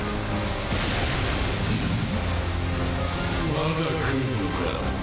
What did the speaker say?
まだ来るのか。